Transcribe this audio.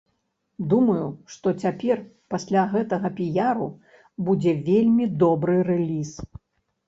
Думаю, што цяпер, пасля гэтага піяру, будзе вельмі добры рэліз.